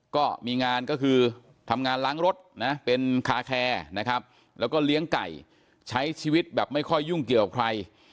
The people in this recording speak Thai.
ก็มีงานก็คือทำงานล้างรถนะเป็นคาแคร์นะครับแล้วก็เลี้ยงไก่ใช้ชีวิตแบบไม่ค่อยยุ่งเกี่ยวใคร